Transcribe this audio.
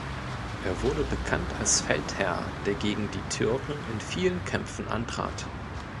Er wurde bekannt als Feldherr, der gegen die Türken in vielen Kämpfen antrat.